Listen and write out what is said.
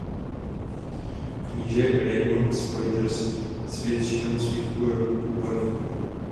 Kníže Raimond z Poitiers s většinou svých bojovníků padl.